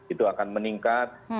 itu akan meningkat